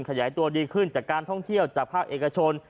ขยายตัวดีขึ้นจากการท่องเที่ยวจากภาคเอกชน